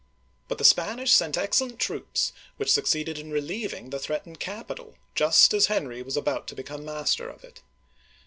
But the Spanish sent excellent troops which succeeded in relieving the threatened capital, just as Henry was about to become master of it.